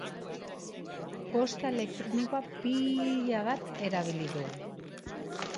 Posta elektronikoa piiiiiiila bat erabili dugu.